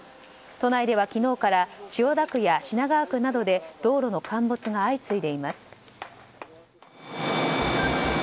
都内では昨日から千代田区や品川区などで道路の陥没が相次いでいます。